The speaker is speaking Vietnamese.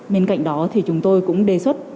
bên cạnh đó thì chúng tôi cũng đề xuất